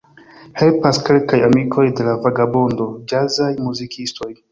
Helpas kelkaj amikoj de la vagabondo, ĵazaj muzikistoj.